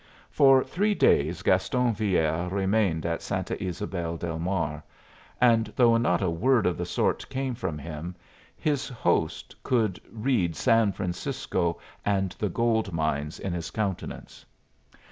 For three days Gaston Villere remained at Santa Ysabel del Mar; and though not a word of the sort came from him, his host could read San Francisco and the gold mines in his countenance.